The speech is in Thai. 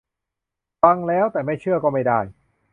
ฟังแล้ว แต่ไม่เชื่อ ก็ไม่ได้